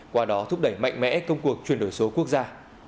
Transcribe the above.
qua đó thúc đẩy mạnh mẽ công cuộc chuyển đổi số quốc gia